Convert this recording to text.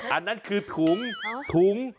อันนั้นคือถุง